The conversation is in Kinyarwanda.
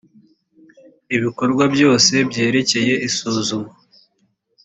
ibikorwa byose byerekeye isuzuma